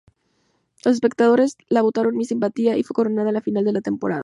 Los espectadores la votaron Miss Simpatía, y fue coronada en el final de temporada.